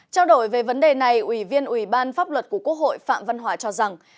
trao đổi về vấn đề này ủy viên ủy ban pháp luật của quốc hội phạm văn hòa cho rằng